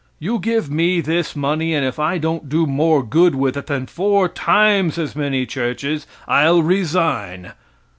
You give me this money and if I don't do more good with it than four times as many churches I'll resign.